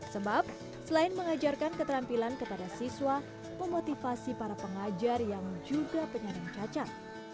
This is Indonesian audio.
sebab selain mengajarkan keterampilan kepada siswa memotivasi para pengajar yang juga penyandang cacat